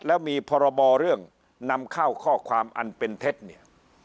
แล้วมีพรบเรื่องนำเข้าข้อความอันเป็นเท็จเนี่ย